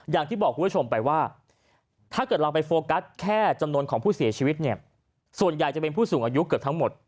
อย่างที่บอกคุณผู้ชมไปว่าถ้าเกิดเราไปโฟกัสแค่จำนวนของผู้เสียชีวิตเนี่ยส่วนใหญ่จะเป็นผู้สูงอายุเกือบทั้งหมด